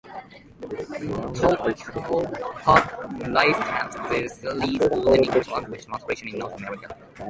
Tokyopop licensed the series for an English-language translation in North America.